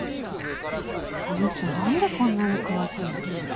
あの人何でこんなに詳しいの？